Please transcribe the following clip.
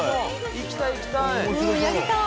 行きたい行きたい！